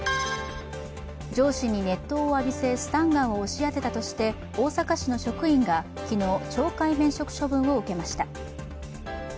上司に熱湯を浴びせスタンガンを押し当てたとして大阪市の職員が昨日、懲戒免職処分を受けました。